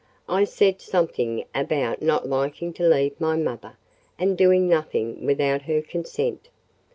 I said something about not liking to leave my mother, and doing nothing without her consent.